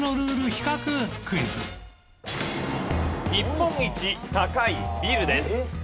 日本一高いビルです。